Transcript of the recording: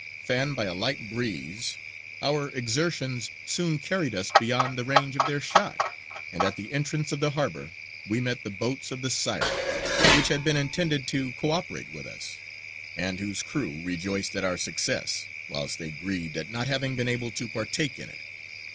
Fanned by a light breeze our exertions soon carried us beyond the range of their shot, and at the entrance of the harbour we met the boats of the Siren, which had been intended to co operate with us, and whose crew rejoiced at our success, whilst they grieved at not having been able to partake in it....